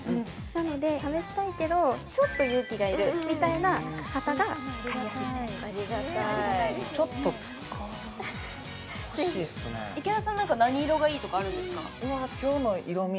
なので試したいけどちょっと勇気がいるみたいな方が買いやすいちょっと池田さん何か何色がいいとかあるんですか？